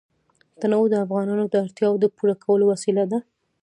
تنوع د افغانانو د اړتیاوو د پوره کولو وسیله ده.